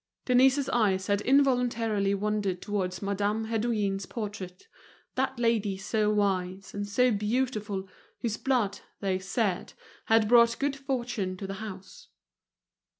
Denise's eyes had involuntarily wandered towards Madame Hédouin's portrait: that lady so wise and so beautiful, whose blood, they said, had brought good fortune to the house.